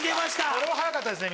これも早かったですね